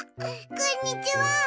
こんにちは！